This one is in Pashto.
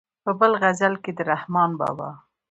په بل غزل کې د رحمان بابا.